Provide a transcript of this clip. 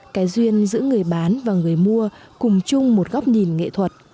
cái duyên giữa người bán và người mua cùng chung một góc nhìn nghệ thuật